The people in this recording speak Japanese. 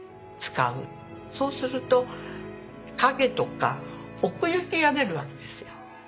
そうすると陰とか奥行きが出るわけですよ。